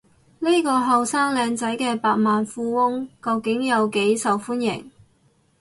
呢個後生靚仔嘅百萬富翁究竟有幾受歡迎？